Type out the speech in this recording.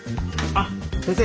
あっ先生